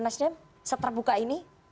nasional seterbuka ini